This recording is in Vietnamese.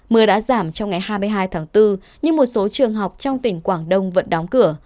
mưa đã giảm trong ngày hai mươi hai tháng bốn nhưng một số trường học trong tỉnh quảng đông vẫn đóng cửa